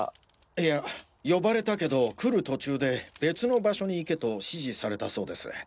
いや呼ばれたけど来る途中で別の場所に行けと指示されたそうです。